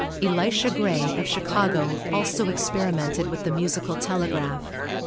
Elisha Gray, of Chicago, also experimented with the musical telegraph.